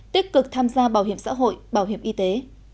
tích cực tham gia bảo hiểm xã hội bảo hiểm y tế